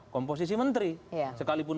komposisi menteri sekalipun